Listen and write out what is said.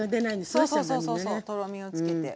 そうそうそうそうとろみを付けて。